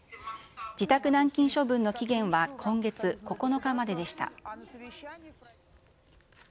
自宅軟禁処分の期限は今月９日まででした。